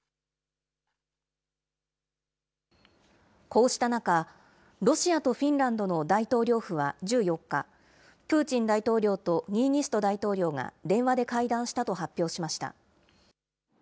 こうした中、ロシアとフィンランドの大統領府は１４日、プーチン大統領とニーニスト大統領が電話で会談したと発表しました。